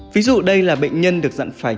ví dụ đây là bệnh nhân được dặn phải